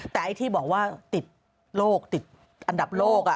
แต่ไอ้ที่บอกว่าติดโลกติดอันดับโลก